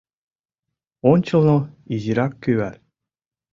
Ончылно изирак кӱвар.